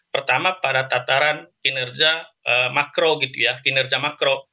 pertama pada tataran kinerja makro gitu ya kinerja makro